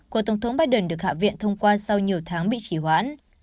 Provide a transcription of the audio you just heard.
của tổng thống biden được hạ viện thông qua sau nhiều tháng bị chỉ hoãn